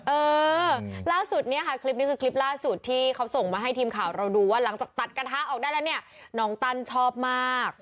เออล่าสุดเนี่ยค่ะคลิปนี้คือคลิปล่าสุดที่เขาส่งมาให้ทีมข่าวเราดูว่าหลังจากตัดกระทะออกได้แล้วเนี่ยน้องตั้นชอบมาก